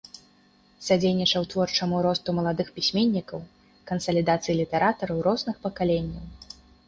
Садзейнічаў творчаму росту маладых пісьменнікаў, кансалідацыі літаратараў розных пакаленняў.